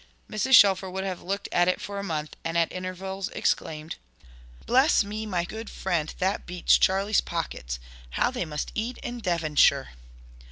Mrs. Shelfer would have looked at it for a month, and at intervals exclaimed, "Bless me, my good friend, that beats Charley's pockets. How they must eat in Devonshire!"